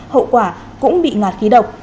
hậu quả cũng bị ngạt khí độc